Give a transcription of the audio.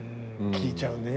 聞いちゃうね